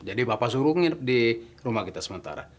jadi bapak suruh nginep di rumah kita sementara